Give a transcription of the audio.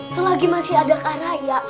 selagi masih ada kak raya